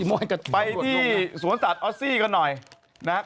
โอ้ไปที่ศูนย์สัตว์ออสซีก่อนหน่อยมีมาจึงจิโมยโรดลงเลย